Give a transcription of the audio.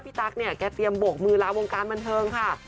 ตั๊กเนี่ยแกเตรียมโบกมือลาวงการบันเทิงค่ะ